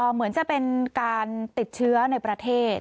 เหมือนจะเป็นการติดเชื้อในประเทศ